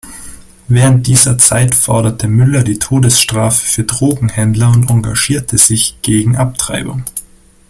Während dieser Zeit forderte Müller die Todesstrafe für Drogenhändler und engagierte sich gegen Abtreibung.